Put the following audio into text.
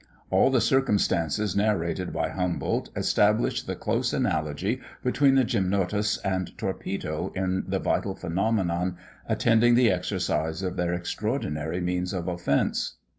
All the circumstances narrated by Humboldt establish the close analogy between the gymnotus and torpedo in the vital phenomenon attending the exercise of their extraordinary means of offence.